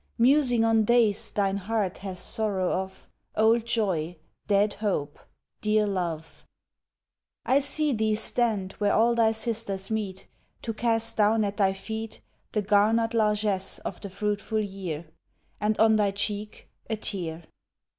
Musing on days thine heart hath sorrow of, Old joy, dead hope, dear love, I see thee stand where all thy sisters meet To cast down at thy feet The garnered largess of the fruitful year, And on thy cheek a tear.